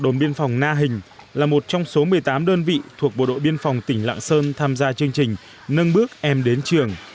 đồn biên phòng na hình là một trong số một mươi tám đơn vị thuộc bộ đội biên phòng tỉnh lạng sơn tham gia chương trình nâng bước em đến trường